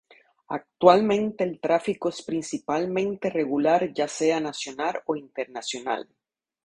Actualmente el tráfico es principalmente regular ya sea nacional o internacional.